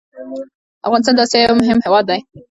افغانستان د اسيا يو مهم هېواد ده